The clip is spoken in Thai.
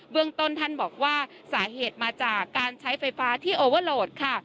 เรื่องต้นท่านบอกว่าสาเหตุมาจากการใช้ไฟฟ้าที่โอเวอร์โหลดค่ะ